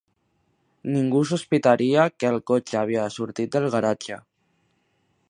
Ningú sospitaria que el cotxe havia sortit del garatge.